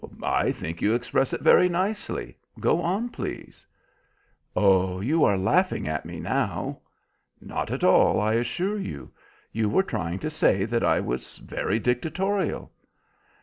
"I think you express it very nicely. Go on, please." "Oh, you are laughing at me now." "Not at all, I assure you. You were trying to say that I was very dictatorial."